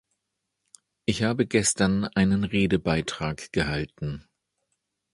Ich habe gestern einen Redebeitrag gehalten.